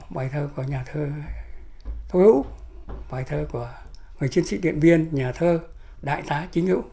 bài thơ của nhà thơ tô hữu bài thơ của người chiến sĩ điện biên nhà thơ đại tá chính hữu